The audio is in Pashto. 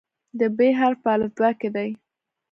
د "ب" حرف په الفبا کې دی.